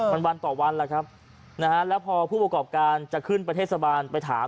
วันวันต่อวันและพอผู้ประกอบการจะขึ้นประเทศพากรประทาน